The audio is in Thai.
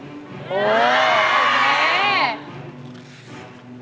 โอเค